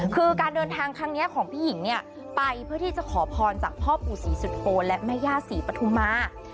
การโดนทางของพี่หญิงเนี่ยไปเพื่อที่จะขอพรจากพ่อบุษีสุดโฟนและมวยาสีปทุมัน